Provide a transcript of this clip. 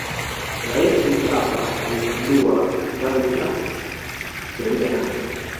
raisi mkapa alizindua kitabu cha historia yake